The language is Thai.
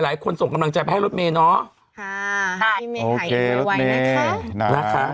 หลายคนส่งกำลังให้รถเมน้อยเนอะ